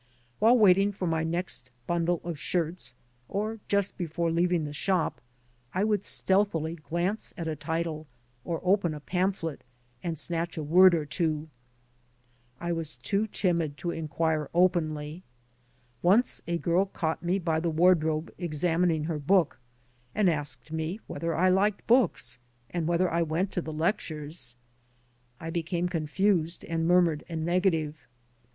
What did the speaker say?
While waiting for my next bundle of shirts, or just before leaving the shop, I would stealthily glance at a title, or open a pamphlet and snatch a word or two. I was too timid to inquire openly. Once a girl caught me by the wardrobe examining her book, and asked me whether I liked books and whether I went to the lectures. I became confused and murmured a negative.